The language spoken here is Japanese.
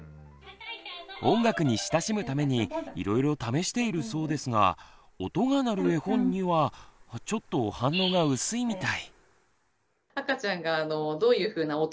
音楽に親しむためにいろいろ試しているそうですが音が鳴る絵本にはちょっと反応が薄いみたい。